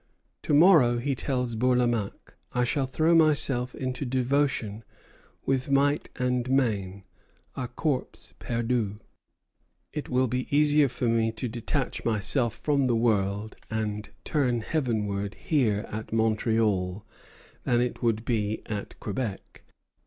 "To morrow," he tells Bourlamaque, "I shall throw myself into devotion with might and main (à corps perdu). It will be easier for me to detach myself from the world and turn heavenward here at Montreal than it would be at Quebec."